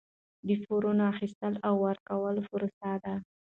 د پورونو اخیستل او ورکول پروسه ده.